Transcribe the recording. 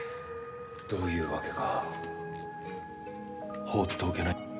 どういうわけか放っておけない。